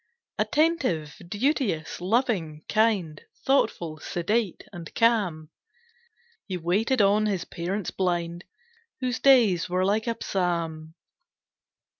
Attentive, duteous, loving, kind, Thoughtful, sedate, and calm, He waited on his parents blind, Whose days were like a psalm.